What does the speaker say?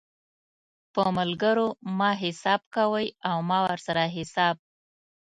په ملګرو مه حساب کوئ او مه ورسره حساب